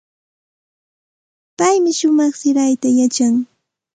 Paymi shumaq sirayta yachan.